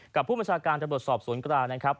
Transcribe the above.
ผู้บัญชาการตำรวจสอบสวนกลางนะครับ